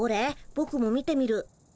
ぼくも見てみる。